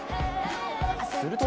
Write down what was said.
すると